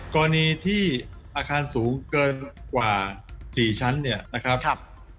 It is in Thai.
กรณีที่อาคารสูงเกินกว่า๔ชั้นเนี่ยนะครับ